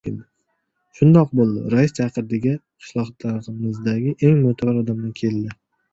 ...Shundoq bo‘ldi. «Rais chaqirdi»ga qishlog‘imizdagi eng mo‘tabar odamlar keldi.